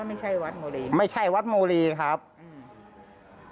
ไม่ใช่วัดบุรีไม่ใช่วัดโมรีครับอืม